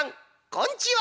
こんちは！」。